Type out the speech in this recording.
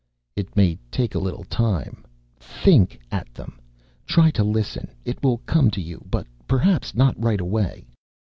"It may take a little time. Think at them. Try to listen. It will come to you, but perhaps not right away."